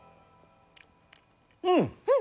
うん！